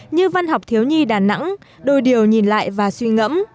như văn học thiếu nhi đà nẵng đôi điều nhìn lại và suy ngẫm